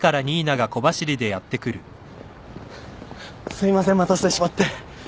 すみません待たせてしまって。